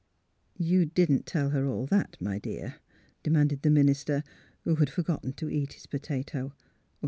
" You didn't tell her all that, my dear? " de manded the minister, who had forgotten to eat his potato.